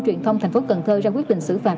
truyền thông thành phố cần thơ ra quyết định xử phạt